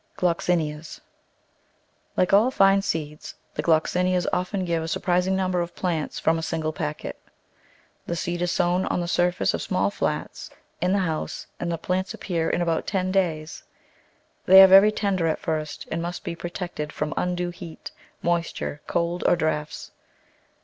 Gloxinias LIKE all fine seeds the Gloxinias often give a sur prising number of plants from a single packet. The seed is sown on the surface of small flats in the house and the plants appear in about ten days. They are very tender at first and must be protected from undue heat, moisture, cold or draughts.